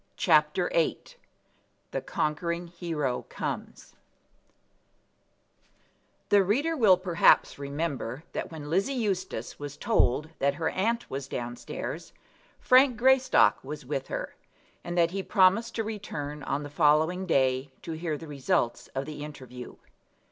CHAPTER VIII The Conquering Hero Comes The reader will perhaps remember that when Lizzie Eustace was told that her aunt was down stairs Frank Greystock was with her, and that he promised to return on the following day to hear the result of the interview.